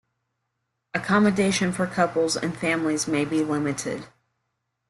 Accommodation for couples and families may be limited.